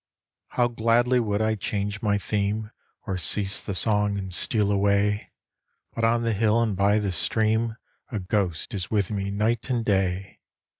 How gladly would I change my theme, Or cease the song and steal away, But on the hill and by the stream A ghost is with me night and day!